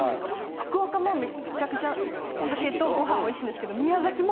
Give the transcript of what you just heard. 福岡もめっちゃくちゃ酒とご飯おいしいんですけど宮崎も。